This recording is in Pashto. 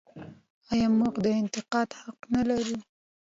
آیا موږ د انتقاد حق نلرو؟